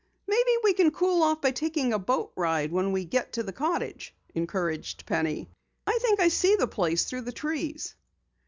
"Maybe we can cool off by taking a boat ride when we get to the cottage," encouraged Penny. "I think I see the place through the trees."